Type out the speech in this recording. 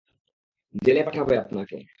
জেলে পাঠাবো আপনাকে।